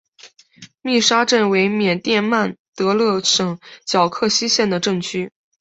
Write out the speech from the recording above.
密沙镇为缅甸曼德勒省皎克西县的镇区。